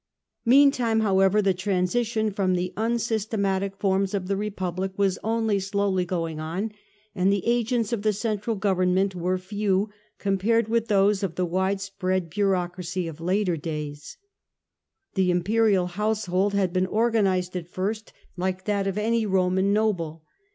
Mean time, however, the transition from the unsystematic forms of the Republic was only slowly going on, and the agents of the central government were few compared with those of the widespread bureaucracy of later days, llie imperial household had been organized at first CH. IX. Administrative Forms of Government 195 like that of any Roman noble.